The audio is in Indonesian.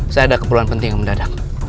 saya ada keperluan penting yang mendadak